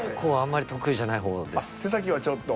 あっ手先はちょっと？